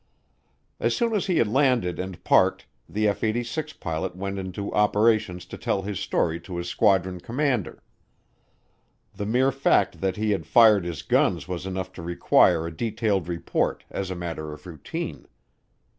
As soon as he had landed and parked, the F 86 pilot went into operations to tell his story to his squadron commander. The mere fact that he had fired his guns was enough to require a detailed report, as a matter of routine.